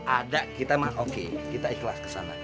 ada kita mah oke kita ikhlas kesana